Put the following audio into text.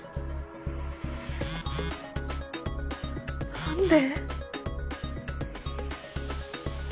何で？